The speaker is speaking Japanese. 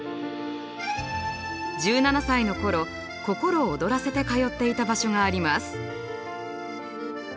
１７歳の頃心躍らせて通っていた場所があります。